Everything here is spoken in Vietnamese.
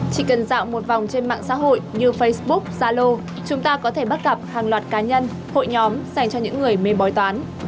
chỉ cần dạo một vòng trên mạng xã hội như facebook zalo chúng ta có thể bắt gặp hàng loạt cá nhân hội nhóm dành cho những người mê bói toán